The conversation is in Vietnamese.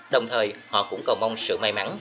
đồng thời họ cũng còn mong sự may mắn